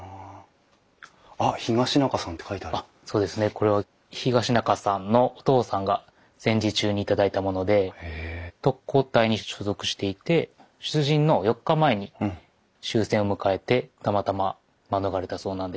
これは東仲さんのお父さんが戦時中に頂いたもので特攻隊に所属していて出陣の４日前に終戦を迎えてたまたま免れたそうなんです。